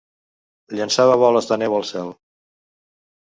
Llançava boles de neu al cel.